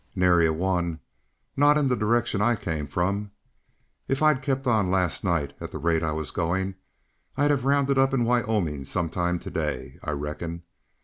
"Nary a one not in the direction I came from. If I'd kept on last night, at the rate I was going, I'd have rounded up in Wyoming some time to day I reckon.